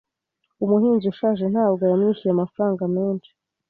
Umuhinzi ushaje ntabwo yamwishyuye amafaranga menshi.